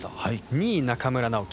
２位、中村直幹。